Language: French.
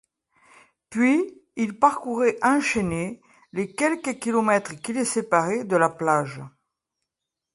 Puis, ils parcouraient enchaînés les quelques kilomètres qui les séparaient de la plage.